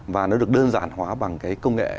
và nó được đơn giản hóa bằng cái công nghệ